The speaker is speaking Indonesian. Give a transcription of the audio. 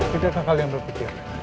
tidakkah kalian berpikir